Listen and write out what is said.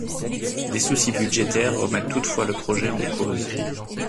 Des soucis budgétaires remettent toutefois le projet en cause.